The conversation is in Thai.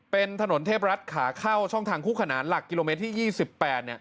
เป็นถนนเทพรัฐขาเข้าช่องทางคู่ขนานหลักกิโลเมตรที่๒๘